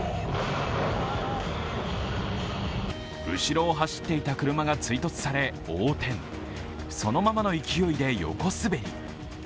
後ろを走っていた車が追突され横転そのままの勢いで横滑り。